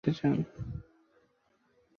তাদের উদ্দেশ্যে আপনি কী বলতে চান?